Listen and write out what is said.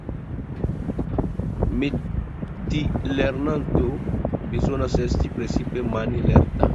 Metilernanto bezonas esti precipe mane lerta.